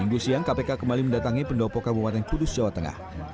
minggu siang kpk kembali mendatangi pendopo kabupaten kudus jawa tengah